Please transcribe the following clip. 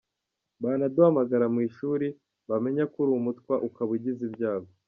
Banaduhamagara mu ishuri bamenya ko uri umutwa ukaba ugize ibyago.